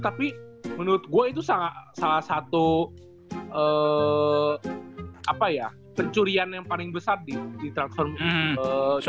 tapi menurut gue itu salah satu pencurian yang paling besar di transformasi